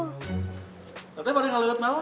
ternyata pada ga lewat malem